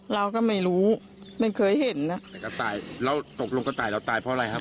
แล้วตกลงกระต่ายน้องตายเพราะอะไรครับ